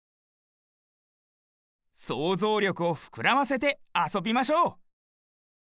そうぞうりょくをふくらませてあそびましょう！